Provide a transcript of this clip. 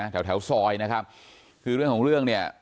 แถวแถวซอยนะครับคือเรื่องของเรื่องเนี่ย